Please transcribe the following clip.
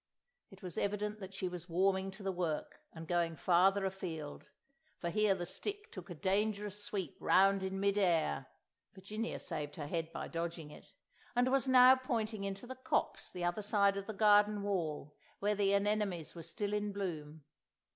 It was evident that she was warming to the work and going farther afield, for here the stick took a dangerous sweep round in mid air (Virginia saved her head by dodging it), and was now pointing into the copse the other side of the garden wall, where the anemones were still in bloom.